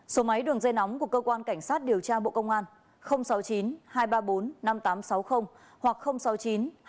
số máy đường dây nóng của cơ quan cảnh sát điều tra bộ công an sáu mươi chín hai trăm ba mươi bốn năm nghìn tám trăm sáu mươi hoặc sáu mươi chín hai trăm ba mươi hai một nghìn sáu trăm sáu mươi bảy